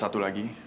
buat apa ya